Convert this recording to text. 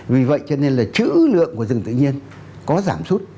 vì vậy cho nên là chữ lượng của rừng tự nhiên có giảm sút